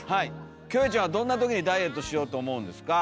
キョエちゃんはどんなときにダイエットしようと思うんですか？